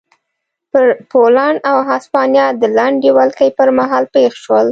پر پولنډ او هسپانیا د لنډې ولکې پرمهال پېښ شول.